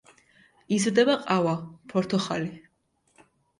იზრდება ყავა, ფორთოხალი.